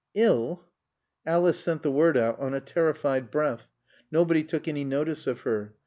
"Ill?" Alice sent the word out on a terrified breath. Nobody took any notice of her.